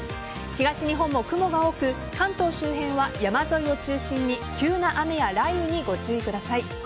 東日本も雲が多く関東周辺は山沿いを中心に急な雨や雷雨にご注意ください。